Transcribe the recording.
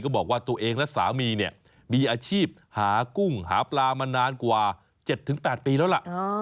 บอกว่าตัวเองและสามีเนี่ยมีอาชีพหากุ้งหาปลามานานกว่า๗๘ปีแล้วล่ะ